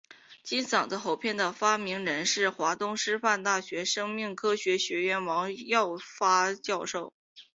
金嗓子喉片的发明人是华东师范大学生命科学学院王耀发教授。